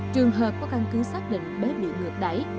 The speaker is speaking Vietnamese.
trường hợp có căn cứ xác định bé bị ngược đẩy